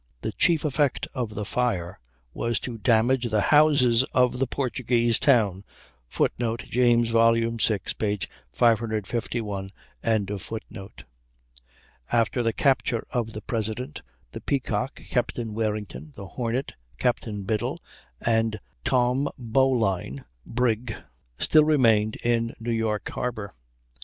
The chief effect of the fire was to damage the houses of the Portuguese town. [Footnote: James, vi, 551. ] After the capture of the President, the Peacock, Captain Warrington, the Hornet, Captain Biddle, and Tom Bowline, brig, still remained in New York harbor.